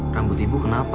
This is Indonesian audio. rambut ibu kenapa